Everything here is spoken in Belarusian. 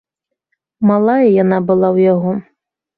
Малая яна была ў яго.